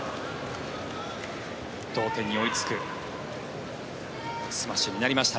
同点に追いつくスマッシュになりました。